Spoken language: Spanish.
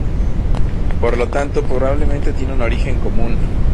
Por lo tanto probablemente tienen un origen común.